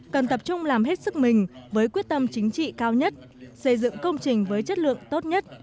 cần tập trung làm hết sức mình với quyết tâm chính trị cao nhất xây dựng công trình với chất lượng tốt nhất